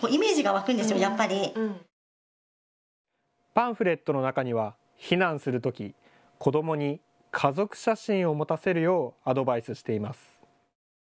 パンフレットの中には避難するとき子どもに家族写真を持たせるようアドバイスしています。